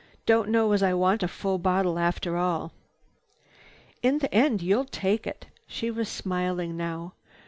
"Don't know as I want a full bottle after all." "In the end you'll take it." She was smiling now.